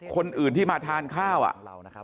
คนอื่นที่มาทานข้าวอะ